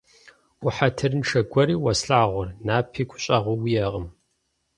- Ухьэтырыншэ гуэри уэ слъагъур, напи гущӏэгъуи уиӏэкъым.